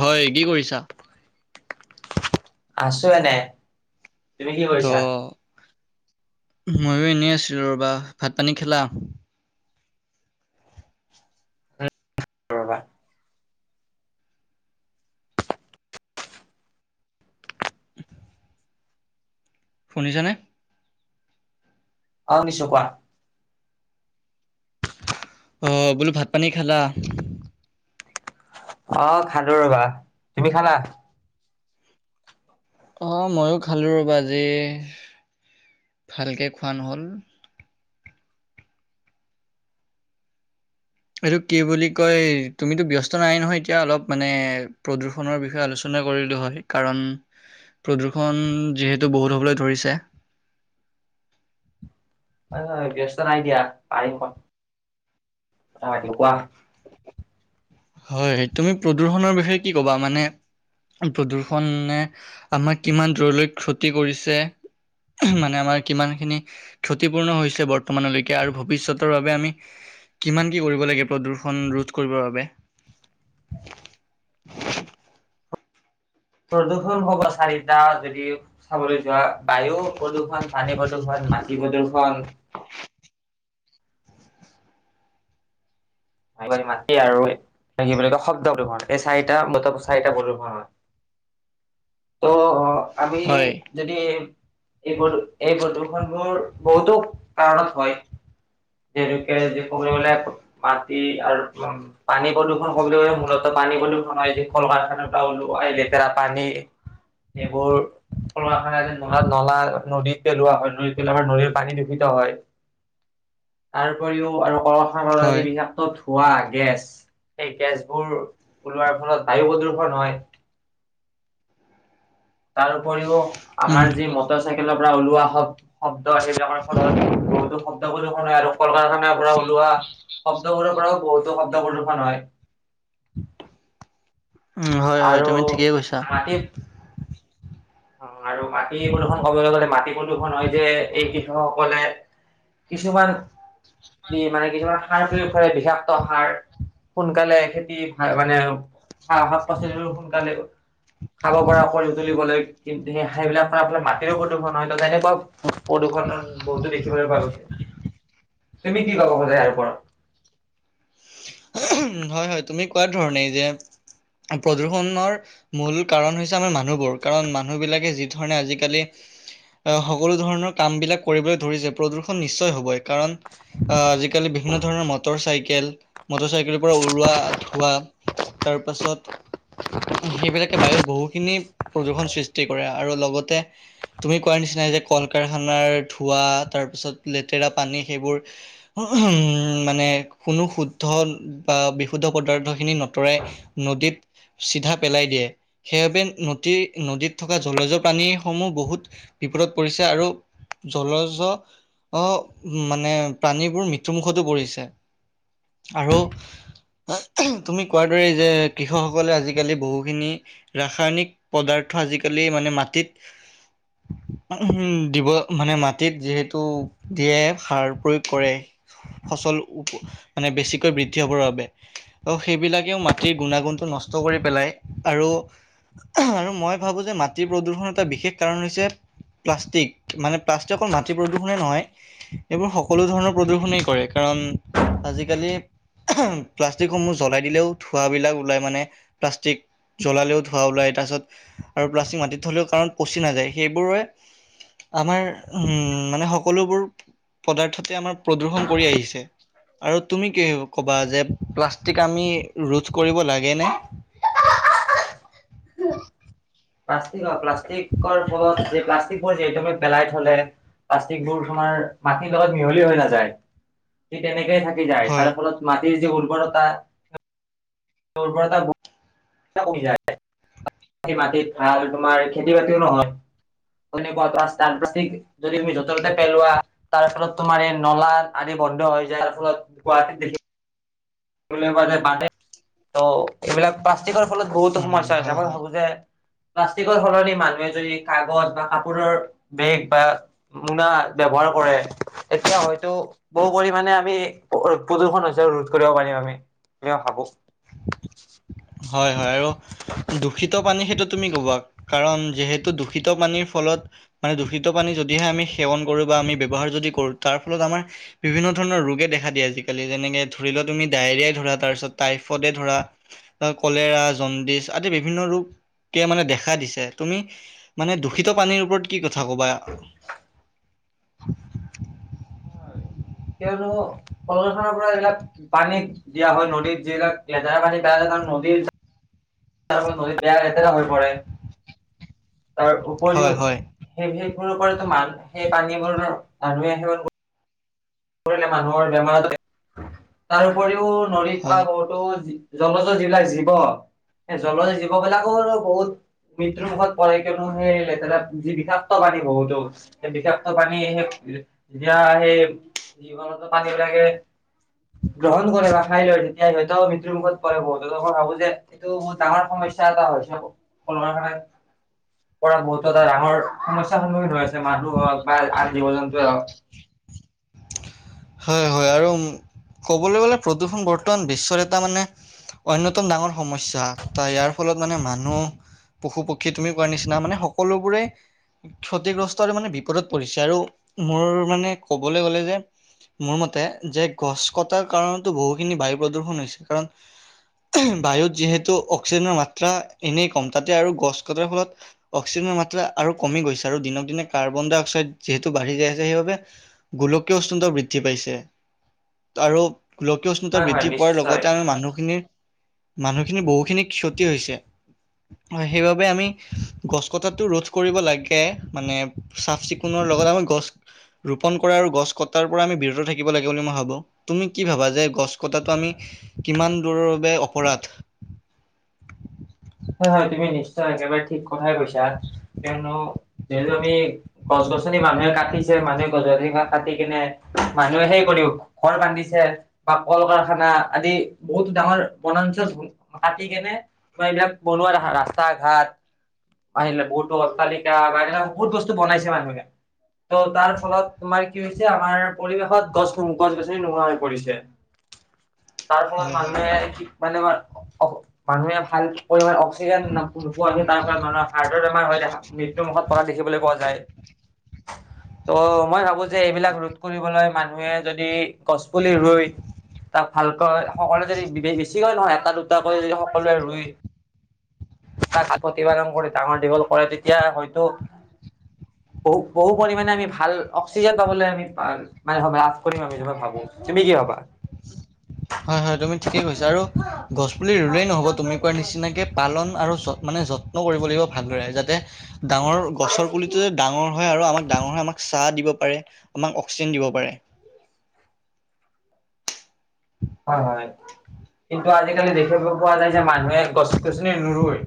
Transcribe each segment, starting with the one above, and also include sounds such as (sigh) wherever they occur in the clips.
হয়, কি কৰিছা? আছোঁ এনে। তুমি কি দ, কৰিছা? মইও এনেই আছিলো ৰ'বা, ভাত-পানী খালা? উম, ৰ'বা। (inaudible) শুনিছানে? অঁ শুনিছোঁ কোৱা। অ বোলো ভাত-পানী খালা? অ খালোঁ ৰ'বা, তুমি খালা অঁ মইও খালোঁ ৰ'বা, আজি ভালকে খোৱা নহ'ল। এইটো কি বুলি কয় তুমিতো ব্যস্ত নাই নহয় এতিয়া অলপ মানে প্ৰদূ প্ৰদূষণৰ বিষয়ে আলোচনা কৰিলোঁ হয়, কাৰণ প্ৰদূষণ যিহেতু বহুত হ'বলৈ ধৰিছে। হয় হয় ব্যস্ত নাই দিয়া পাৰিম কোৱা হয় কোৱা হয়, তুমি প্ৰদূষণৰ বিষয়ে কি ক'বা মানে প্ৰদূষণে আমাক কিমান দূৰলৈ ক্ষতি কৰিছে এহ মানে আমাৰ কিমানখিনি ক্ষতিপূৰ্ণ হৈছে বৰ্তমানলৈকে আৰু ভৱিষ্যতৰ বাবে আমি কিমান কি কৰিব লাগিব প্ৰদূ্ষণ ৰোধ কৰিবৰ বাবে। (unintelligible) প্ৰদূষণ হ'ব চাৰিটা যদি চাবলৈ যোৱা বায়ু প্ৰদূষণ পানী প্ৰদূষণ মাটি প্ৰদূষণ (unintelligible) মাটি আৰু এই কি বুলি কয় শব্দ প্ৰদূষণ এই চাৰিটা মুঠতে চাৰিটা প্ৰদূষণ হয়। ত' আমি হয়। যদি এই এই প্ৰদূ এই প্ৰদূষনবোৰ বহুতো কাৰণত হয়। যিহেতুকে যি ক'বলৈ গ'লে মাটি আৰু উম পানী প্ৰদূষণ কবলৈ গ'লে মূলত পানী প্ৰদূষণ হয় এই কল কাৰখানা পৰা ওলোৱা লেতেৰা পানী। সেইবোৰ কল কাৰখানা নলাত নলা নদী পেলোৱা হয়, নদী পেলাই আমাৰ নদীৰ পানী দূষিত হয়। (inaudible) তাৰ উপৰিও আৰু কল কাৰখানা পৰা যিবিলাক চব ধুৱা গেছ, সেই গেছবোৰ ওলোৱাৰ ফলত বায়ু প্ৰদূ্ষন হয়। তাৰ উপৰিও উম, আমাৰ যি মটৰ চাইকেলৰ পৰা ওলোৱা শব্দ শব্দ সেইবিলাকৰ ফলত বহুতো শব্দ প্ৰদূষন হয়, আৰু কল কাৰখানাৰ পৰা ওলোৱা শব্দ শব্দবোৰৰ পৰাও বহুতো শব্দ প্ৰদূষণ হয়। উম, হয়, হয় আৰু তুমি ঠিকেই কৈছা। অ আৰু মাটি প্ৰদূষন কবলৈ গলে মাটি প্ৰদূষন হয় যে এই কৃষকসকলে কিছুমান মানে কিছুমান সাৰ প্ৰয়োগ কৰে বিশা ক্ত সাৰ, সোনকালে খেতি ভা মানে শা শাক-পাচলিবোৰ সোনকালে খাব পৰা কৰি তুলিবলৈ কিন্তু সে সেইবিলাক কৰা ফলত মাটিৰো প্ৰদূষণ হয়, ত' তেনেকুৱা প্ৰদূষণৰ বহুতো দেখিবলৈ পোৱা গৈছে তুমি কি ক'ব খোজা ইয়াৰ ওপৰত। অহম হয়, হয়, তুমি কোৱাৰ ধৰণেই যে, প্ৰদূষণৰ মূল কাৰণ হৈছে আমাৰ মানুহবোৰ কাৰণ, মানুহ বিলাকে যি ধৰণে আজিকালি আহ সকলো ধৰণৰ কাম বিলাক কৰিবলৈ ধৰিছে প্ৰদূষণ নিশ্চয় হ'বই, কাৰণ আহ আজিকালি বিভিন্ন ধৰণৰ মটৰ চাইকেল। মটৰ চাইকেলৰ পৰা উৰুৱা ধোৱা, তাৰ পাছত সেইবিলাকে বায়ুত বহুখিনি প্ৰদূষণ সৃষ্টি কৰে, আৰু লগতে তুমি কোৱাৰ নিচিনাই যে, কল কাৰখানাৰ ধোঁৱা তাৰপিছত লেতেৰা পানী সেইবোৰ উম, মানে কোনো সু শুদ্ধ বা বিশুদ্ধ পদাৰ্থ খিনি নতৰাই নদীত চিধা পেলাই দিয়ে, সেইবাবে নদীৰ নদীত থকা জলচৰ প্ৰাণীসমূহ বহুত বিপদত পৰিছে আৰু জলজ অ মানে প্ৰাণীবোৰ মৃত্যুমুখতো পৰিছে। আৰু তুমি কোৱাৰ দৰেই যে, কৃষকসকলে আজিকালি বহুখিনি ৰাসায়নিক পদাৰ্থ আজিকালি মানে মাটিত দিব মানে মাটিত যিহেতু দিয়ে সাৰ প্ৰয়োগ কৰে। ফচল মানে বেছিকৈ বৃদ্ধি হ'বৰ বাবে। ত' সেইবিলাকেও মাটিৰ গুণাগুণটো নষ্ট কৰি পেলায় আৰু আৰু মই ভাবোঁ যে, মাটিৰ প্ৰদূষণ এটা বিশেষ কাৰণ হৈছে প্লাষ্টিক। মানে প্লাষ্টিক অকল মাটিৰ প্ৰদূষণে নহয়, এইবোৰ সকলো ধৰণৰ প্ৰদূৰ্ষনেই কৰে, কাৰণ আজিকালি প্লাষ্টিকসমূহ জ্বলাই দিলেও ধোঁৱাবিলাক ওলাই মানে প্লাষ্টিক জ্বলালেও ধোঁৱা ওলায়, তাৰপাছত আৰু প্লাষ্টিক মাটিত থ'লেও কাৰণ পচি নাযায়। সেইবোৰে আমাৰ উম মানে সকলোবোৰ পদাৰ্থতে আমাৰ প্ৰদূষণ কৰি আহিছে। আৰু তুমি কি ক'বা যে প্লাষ্টিক আমি ৰোধ কৰিব লাগেনে? (unintelligible) প্লাষ্টিক প্লাষ্টিকৰ ফলত প্লাষ্টিকবোৰ যিহেতু আমি পেলাই থ'লে প্লাষ্টিক বোৰ তোমাৰ মাটিৰ লগত মিহলি হৈ নাযায়। হেই তেনেকেই থাকি যায় তাৰ হয়, ফলত মাটিৰ যি উৰ্বৰতা উৰ্বৰতা ব কমি যায় তাতে মাটিত ভাল তোমাৰ খেতি বাতিও নহয়। হৈ নাই কোৱা। তাৰ প্লাছতিক যদি তুমি য'তে ততে পেলোৱা তাৰ ফলত তোমাৰ এই নলা আদি বন্ধ হৈ যায় তাৰ ফলত গুৱাহাটীত দেখি দেখিবলৈ পোৱা যায় বানে অ এইবিলাক প্লাষ্টিকৰ ফলত বহুতো উম সমস্যা হৈছে হয় মই হয়। ভাবো যে প্লাষ্টিকৰ সলনি মানুহে যদি কাগজ বা কাপোৰৰ বেগ বা মোনা ব্যৱহাৰ কৰে, তেতিয়া হয়তো বহু পৰিমাণে আমি প্ৰদূষণ সঁচাই ৰোধ কৰিব পাৰিম আমি বুলি মই ভাবো। হয় হয় আৰু দূষিত পানী সেইটো তুমি ক'বা কাৰণ যিহেতু দূষিত পানীৰ ফলত মানে দূষিত পানী যদিহে আমি সেৱন কৰো বা আমি ব্যৱহাৰ যদি কৰোঁ তাৰ ফলত আমাৰ বিভিন্ন ধৰণৰ ৰোগে দেখা দিয়ে আজিকালি যেনেকে ধৰি লোৱা তুমি ডায়েৰিয়াই ধৰা তাৰপিছত টাইফইডে ধৰা বা কলেৰা জণ্ডিচ আদি বিভিন্ন ৰোগে মানে দেখা দিছে তুমি মানে দূষিত পানীৰ ওপৰত কি কথা ক'বা? হয় কিয়নো প্ৰদুৰ্ক্ষণৰ ফলত ইবিলাক পানীত দিয়া হয় নদীত যিবিলাক লেতেৰা পানী বই যায় কাৰন নদী তাৰ ফলত নদী বেয়া লেতেৰা হৈ পৰে তাৰ হয় উপৰিও হয় সেই সেৱৰৰ পৰাই তো মান সেই পানীবোৰ গা ধোৱে সেৱন কৰি লে মানুহৰ বেমাৰ হয়। তাৰ উপৰিও নদীৰ হয় পৰা বহু তো জলৰ যিবিলাক জীৱ সেই জল জীৱ বিলাকো আৰু বহুত মৃত্যুৰ মুখত পৰে কিয়নো সেই লেতেৰা যি বিষাক্ত পাণী বহুতো সেই বিষাক্ত পানী সেই যেতিয়া সেই জীৱনতো পানী বিলাকে গ্ৰহণ কৰে বা খাই লয় তেতিয়া সিহঁতে মৃত্যুমুখত পৰে বহুত ভাবো যে এইটো বহুত ডাঙৰ সমস্যা এটা হৈছে কল কাৰখানাৰ পৰা বহুতো এটা ডাঙৰ সমস্যাৰ সন্মুখীন হৈ আছে মানুহ হওক বা আন জীৱ জন্তুৱে হওক হয় হয় আৰু ক'বলৈ গ'লে প্ৰদূষণ বৰ্তমান বিশ্বৰ এটা মানে অন্যতম ডাঙৰ সমস্যা ত ইয়াৰ ফলত মানে মানুহ পশু পক্ষী তুমি কৱাৰ নিচিনা মানে সকলোবোৰে ক্ষতিগ্ৰস্তৰ আৰু মানে বিপদত পৰিছে, আৰু মোৰ মানে ক'বলৈ গ'লে যে মোৰ মতে যে গছ কটাৰ কাৰণোত বহুখিনি বায়ু প্ৰদূ্ষণ হৈছে, কাৰণ বায়ুত যিহেতু অক্সিজেনৰ মাত্ৰা এনেই কম, তাতে আৰু গছ কটাৰ ফলত অক্সিজেনৰ মাত্ৰা আৰু কমি গৈছে, আৰু দিনক দিনে কাৰ্বন ডাই অক্সাইড যিহেতু বাঢ়ি যায় আছে সেইবাবে গোলকীয় উষ্ণতাও বৃদ্ধ বৃদ্ধি পাইছে, আৰু গোলকীয় উষ্ণতা হয় হয় বৃদ্ধি পোৱাৰ নিশ্চয় লগতে আমি মানুহখিনিৰ মানুহখিনি বহুখিনি ক্ষতি হৈছে, হয় সেইবাবে আমি গছ কটাটো ৰোধ কৰিব লাগে, মানে চাফ চিকুণৰ লগত আমি গছ ৰোপণ কৰা আৰু গছ কটাৰ পৰা আমি বিৰত থাকিব লাগে বুলি মই ভাবো। তুমি কি ভাবা যে গছ কটাতো আমি কিমান দূৰৰ বাবে অপৰাধ? হয় হয় তুমি নিশ্চয় একেবাৰে ঠিক কথাই কৈছা, কিয়নো যিহেতু আমি গছ গছনি মানুহে কাটিছে, মানুহে গছ গছনি ভাগ কাটি কেনে মানুহে সেই কৰিও ঘৰ বান্ধিছে, বা কল কাৰখানা আদি বহুত ডাঙৰ বনাঞ্চল ধ্বং কাটি কেনে বা এইবিলাক বনোৱা ৰাস্তা ঘাট আহিলে বহুতো অট্টালিকা বা তেনেকা বহুত বস্তু বনাইছে মানুহে। ত' তাৰ ফলত তোমাৰ কি হৈছে আমাৰ পৰিৱেশত গছ সংকট গছনি নোহোৱা হৈ পৰিছে। (inaudible) তাৰ ফলত হয় হয় মানুহে মানে আমাৰ মানুহে ভাল পৰিমাণে অক্স অক্সিজেন না নোপোৱাকৈ তাৰ ফলত মানুহৰ হাৰ্টৰ বেমাৰ হৈ মৃত্যুমুখত পৰা দেখিবলৈ পোৱা যায়। ত' মই ভাবোঁ যে এইবিলাক ৰোধ কৰিবলৈ মানুহে যদি গছ পুলি ৰুই তাক ভালকৈ সকলোৱে যদি বেছিকৈ নহয় এটা দুট টাকৈ যদি সকলোৱে ৰুই তাক প্ৰতিপালন কৰি ডাঙৰ দীঘল কৰে তেতিয়া হয়তো বহু, বহু পৰিমাণে আমি ভাল অক্সিজেন পাবলৈ আমি পা মানে ভ লাভ কৰিম আমি এনেকুৱা ভাবোঁ! তুমি কি ভাবা? হয়, হয়, তুমি ঠিকেই কৈছা আৰু গছ পুলি ৰুলেই নহ'ব তুমি কোৱাৰ নিচিনাকে পালন আৰু য মানে যত্নও কৰিব লাগিব ভালদৰে, যাতে ডাঙৰ গছৰ পুলিটো যে ডাঙৰ হয় আৰু আমাক ডাঙৰ হৈ আমাক ছাঁ দিব পাৰে, আমাক অক্সিজেন দিব পাৰে। হয়, হয়, কিন্তু আজিকালি দেখিব পোৱা যায় যে মানুহে গছ গছনি নোৰুই!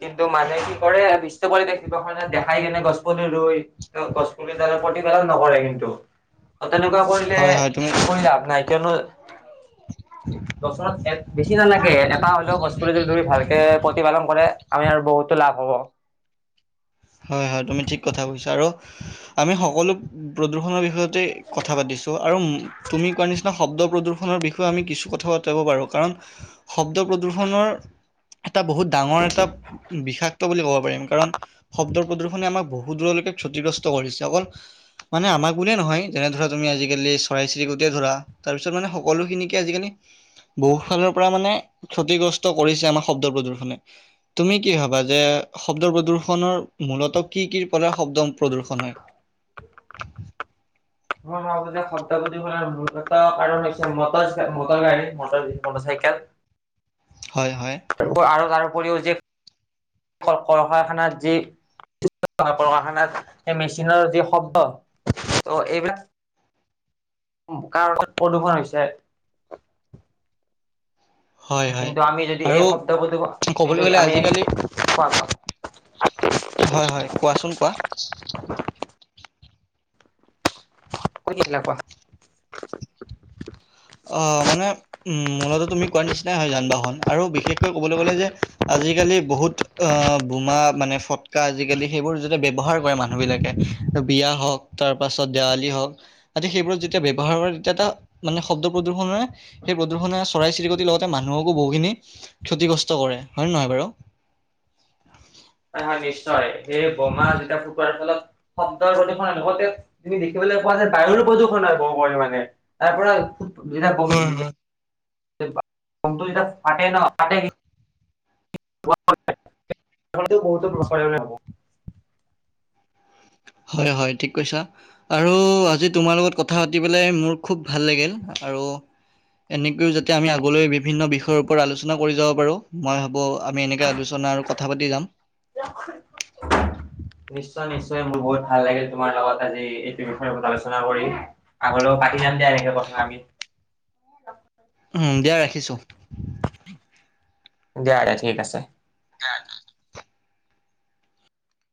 কিন্তু মানুহে কি কৰে বিশ্ব পৰিৱেশ দিৱস মানে দেখাই কিনে গছ পুলি ৰুই! ত' গছপুলিডালৰ প্ৰতিপালন নকৰে কিন্তু। ত' তেনেকুৱা কৰিলে, হয় হয় তুমি কৰি লাভ নাই কিয়নো বছৰত বেছি নালাগে এটা হ'লেও গছপুলি যদি ধৰি ভালকে প্ৰতিপালন কৰে আমি আৰু বহুতো লাভ হ'ব! হয়, হয়, তুমি ঠিক কথা কৈছা আৰু আমি সকলো প্ৰদূষণৰ বিষয় তেই কথা পাতিছোঁ, আৰু তুমি কোৱাৰ নিছিনা শব্দ প্ৰদূষণৰ বিষয়ে আমি কিছু কথাও আঁতৰাব পাৰোঁ, কাৰণ শব্দ প্ৰদূষণৰ এটা বহুত ডাঙৰ এটা বিষাক্ত বুলি ক'ব পাৰিম, কাৰণ শব্দ প্ৰদূষণে আমাক বহু দূৰলৈকে ক্ষতিগ্ৰস্ত কৰিছে অকল মানে আমাক বুলিয়ে নহয়, যেনে ধৰা তুমি আজিকালি চৰাই চিৰিকটিয়ে ধৰা তাৰপিছত মানে সকলোখিনিকে আজিকালি বহুফালৰ পৰা মানে ক্ষতিগ্ৰস্ত কৰিছে আমাক শব্দ প্ৰদূষণে। তুমি কি ভাবা যে শব্দ প্ৰদূ্ষনৰ মূলত কি, কিৰ পৰা শব্দ প্ৰদূ্ষণ হয়? (unintelligible) Motor cycle! হয়, হয়। আৰু তাৰ উপৰিও যে কল কাৰখানাত যি (unintelligible) সেই মেচিনৰ যি শব্দ ত' এইবিলাক প্ৰদূষণ হৈছে। হয় হয় কিন্তু আমি যদি এই আৰু শব্দ প্ৰদূষ ক'বলৈ কিন্তু গ'লে আমি আজিকালি খোৱা যা (unintelligible) হয়, হয়। কোৱাচোন কোৱা? ক'ত গৈছিলা কোৱা? আহ মানে উম মূলত তুমি কোৱাৰ নিচিনাই হয়। যান বাহন আৰু বিশেষকৈ ক'বলৈ গ'লে যে আজিকালি বহুত আহ বোমা মানে ফটকা আজিকালি সেইবোৰ যতে ব্যৱ্হাৰ কৰে মানুহবিলাকে বিয়া হওঁক তাৰ পাছত দেৱালী হওঁক আদি। সেইবোৰত যেতিয়া ব্যৱ্হাৰ কৰে তেতিয়া এটা মানে শব্দ প্ৰদূষণে সেই প্ৰদূষণে চৰাই চিৰিকতিৰ লগতে মানুহকো বহুখিনি ক্ষতিগ্ৰস্ত কৰে। হয় নে নহয় বাৰু? হয়, হয় নিশ্চয়, সেই বোমা যেতিয়া ফুটোৱাৰ ফলত শব্দৰ প্ৰদূষণ লগতে তুমি দেখিবলৈ পোৱা যায় বায়ুৰো প্ৰদূষণ হয় বহু পৰিমাণে। তাৰ পৰা যেতিয়া হয়, হয়। ব'ম, ব'মটো যেতিয়া ফাটে ন (unintelligible) হয়, হয়। ঠিক কৈছা। আৰু আজি তোমাৰ লগত কথা পাতি পেলাই মোৰ খুব ভাল লাগিল। আৰু এনেকৈয়ো যাতে আমি আগলৈ বিভিন্ন বিষয়ৰ ওপৰত আলোচনা কৰি যাব পাৰোঁ, মই ভা ব, আমি এনেকে আলোচনা আৰু কথা পাতি যাম। নিশ্চয়, নিশ্চয় মোৰ বহুত ভাল লাগিল তোমাৰ লগত আজি এইটো বিষয়ৰ লগত আলোচনা কৰি। আগলৈও পাতি যাম দিয়া এনেকে কথা আমি। উম, দিয়া ৰাখিছো। দিয়া ঠিক আছে। (unintelligible)